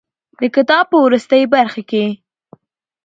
د کتاب په وروستۍ برخه کې.